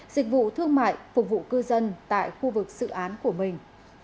dịch vụ thương mại phục vụ cư dân tại khu vực dự án của mình